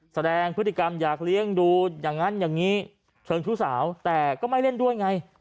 แสดงพฤติกรรมอยากเลี้ยงดูอย่างนั้นอย่างนี้เชิงชู้สาวแต่ก็ไม่เล่นด้วยไง